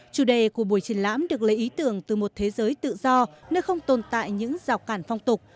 chủ đề của buổi triển lãm được lấy ý tưởng từ một thế giới tự do nơi không tồn tại những rào cản phong tục